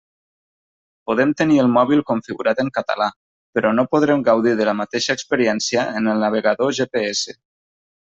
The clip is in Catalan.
Podem tenir el mòbil configurat en català, però no podrem gaudir de la mateixa experiència en el navegador GPS.